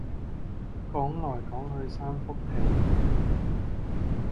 講來講去三幅被